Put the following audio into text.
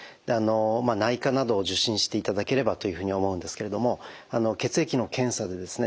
内科などを受診していただければというふうに思うんですけれども血液の検査でですね